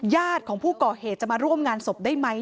ญาติของผู้ก่อเหตุจะมาร่วมงานศพได้ไหม